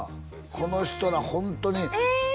この人らホントにええ！